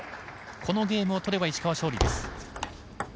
このゲームを取れば石川、勝利です。